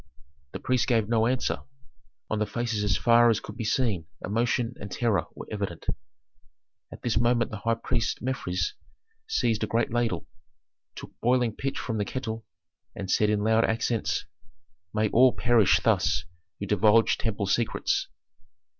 The priest gave no answer; on the faces as far as could be seen emotion and terror were evident. At this moment the high priest Mefres seized a great ladle, took boiling pitch from the kettle, and said in loud accents, "May all perish thus who divulge temple secrets!"